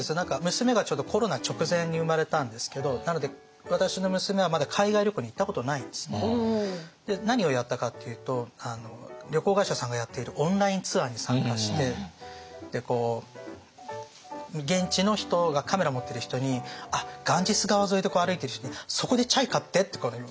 娘がちょうどコロナ直前に生まれたんですけどなので私の娘はまだ海外旅行に行ったことないんですね。何をやったかっていうと旅行会社さんがやっているオンラインツアーに参加して現地の人カメラを持ってる人にガンジス川沿いで歩いている人に「そこでチャイ買って」って。